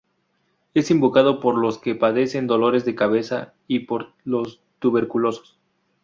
Es invocado por los que padecen dolores de cabeza y por los tuberculosos.